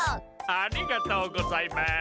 ありがとうございます。